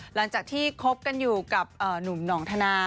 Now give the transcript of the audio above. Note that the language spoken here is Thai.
หลังจากที่คบกันอยู่กับหนุ่มหนองธนา